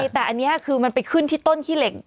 แต่อันนี้คือมันไปขึ้นที่ต้นขี้เหล็ก